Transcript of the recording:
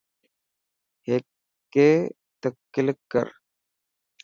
هيڪي تي ڪلڪ ڪر.